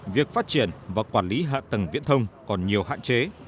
việc phát triển và quản lý hạ tầng viễn thông còn nhiều hạn chế